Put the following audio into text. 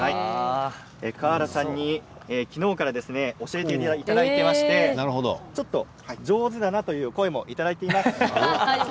川原さんに昨日から教えていただいていましてちょっと上手だなという声もいただいています。